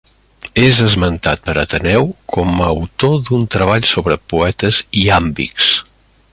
És esmentat per Ateneu com a autor d'un treball sobre poetes iàmbics.